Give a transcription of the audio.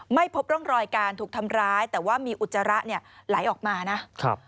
ไม่พบร่องรอยการถูกทำร้ายแต่ว่ามีอุจจาระไหลออกมานะครับ